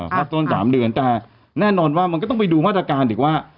พักต้นสามเดือนจ่ายแน่นอนว่ามันก็ต้องไปดูมาตรการดิว่า